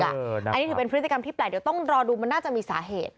อันนี้ถือเป็นพฤติกรรมที่แปลกเดี๋ยวต้องรอดูมันน่าจะมีสาเหตุ